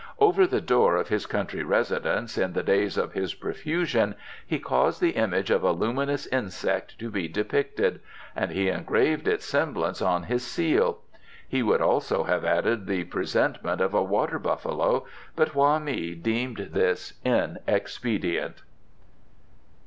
Over the door of his country residence in the days of his profusion he caused the image of a luminous insect to be depicted, and he engraved its semblance on his seal. He would also have added the presentment of a water buffalo, but Hoa mi deemed this inexpedient.